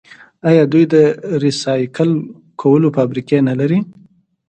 آیا دوی د ریسایکل کولو فابریکې نلري؟